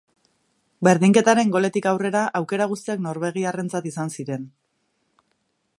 Berdinketaren goletik aurrera aukera guztiak norbegiarrentzat izan ziren.